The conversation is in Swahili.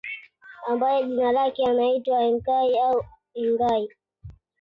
Ambaye jina lake anaitwa Enkai au Engai